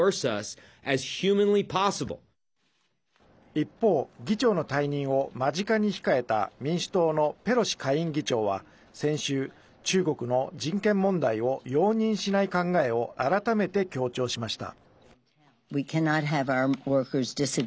一方、議長の退任を間近に控えた民主党のペロシ下院議長は先週、中国の人権問題を容認しない考えを改めて、強調しました。